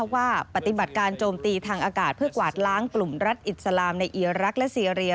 ว่าปฏิบัติการโจมตีทางอากาศเพื่อกวาดล้างกลุ่มรัฐอิสลามในเบอร์ลิน